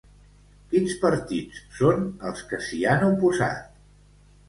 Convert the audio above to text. Quins partits són els que s'hi han oposat?